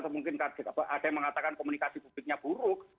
mungkin ada yang mengatakan komunikasi publiknya buruk